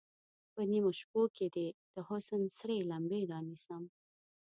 په نیمو شپو کې دې، د حسن سرې لمبې رانیسم